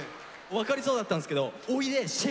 分かりそうだったんですけど。